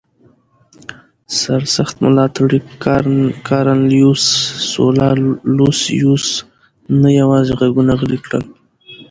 سرسخت ملاتړي کارنلیوس سولا لوسیوس نه یوازې غږونه غلي کړل